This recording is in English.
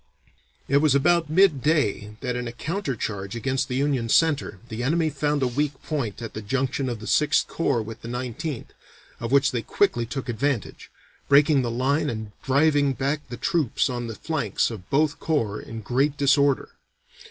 It was about midday that in a counter charge against the Union center, the enemy found a weak point at the junction of the Sixth Corps with the Nineteenth, of which they quickly took advantage, breaking the line and driving back the troops on the flanks of both corps in great disorder.